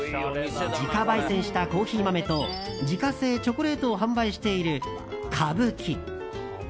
自家焙煎したコーヒー豆と自家製チョコレートを販売している蕪木。